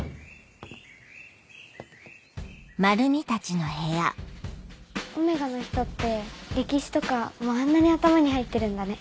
Ωの人って歴史とかもうあんなに頭に入ってるんだね。